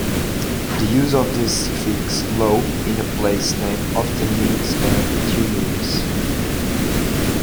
The use of the suffix "Low" in a place name often means a tumulus.